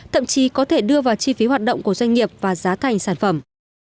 thậm chí có thể đưa vào chi phí hoạt động của doanh nghiệp và giá thành sản phẩm